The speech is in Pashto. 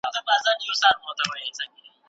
کتابتون جوړ سو، چي د وخت عالمان، د پښتو